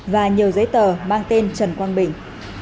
và nhiều giấy tờ mang tên trần quang bình